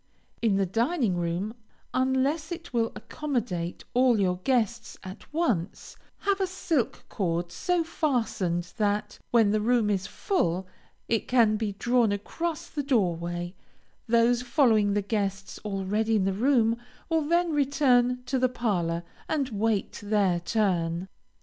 In the dining room, unless it will accommodate all your guests at once, have a silk cord so fastened that, when the room is full, it can be drawn across the door way; those following the guests already in the room, will then return to the parlor, and wait their turn.